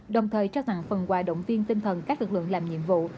đồng thời trao tặng phần quà động viên tinh thần các lực lượng làm nhiệm vụ